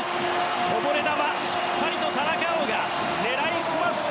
こぼれ球をしっかりと田中碧が狙い澄ました！